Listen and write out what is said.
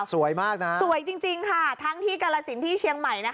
สวยมากนะสวยจริงค่ะทั้งที่กาลสินที่เชียงใหม่นะคะ